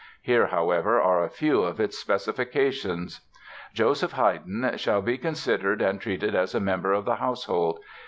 Here, however, are a few of its specifications: "Joseph Heyden shall be considered and treated as a member of the household.